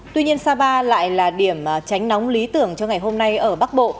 tuy nhiên sapa lại là điểm tránh nóng lý tưởng cho ngày hôm nay ở bắc bộ